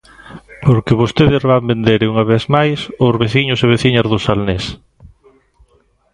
Porque vostedes van vender, unha vez máis, os veciños e veciñas do Salnés.